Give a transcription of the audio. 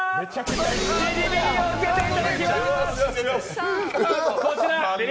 ビリビリを受けていただきます。